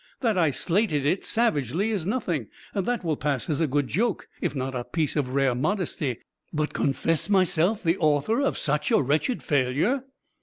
That I slated it savagely, is nothing. That will pass as a good joke, if not a piece of rare modesty. But confess myself the author of such a wretched failure!"